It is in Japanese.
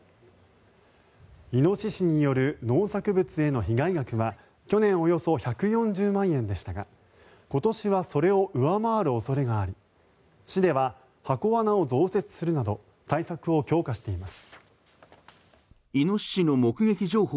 イノシシによる農作物への被害額は去年およそ１４０万円でしたが今年はそれを上回る恐れがあり市では箱罠を増設するなど対策を強化しています。